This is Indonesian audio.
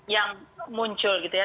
yang muncul gitu ya